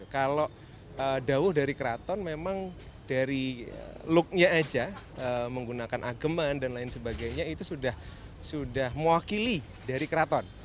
kalau jauh dari keraton memang dari looknya aja menggunakan ageman dan lain sebagainya itu sudah mewakili dari keraton